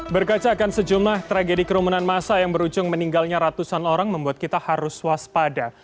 berkaca akan sejumlah tragedi kerumunan masa yang berujung meninggalnya ratusan orang membuat kita harus waspada